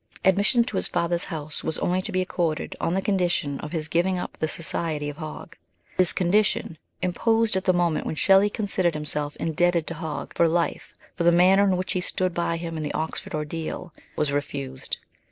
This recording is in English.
Admission to his father's house was only to be accorded on the condition of his giving up the society of Hogg ; this condition, imposed at the moment when Shelley considered himself indebted to Hogg for life for the manner in which he stood by him in the Oxford ordeal, was refused.